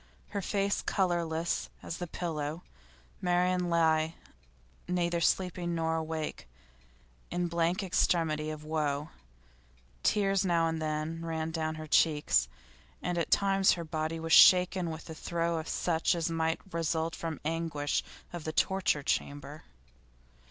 Her face colourless as the pillow, Marian lay neither sleeping nor awake, in blank extremity of woe; tears now and then ran down her cheeks, and at times her body was shaken with a throe such as might result from anguish of the torture chamber.